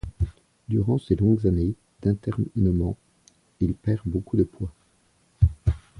Durant ses longues années d'internement, il perd beaucoup de poids.